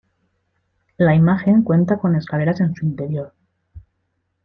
La imagen cuenta con escaleras en su interior.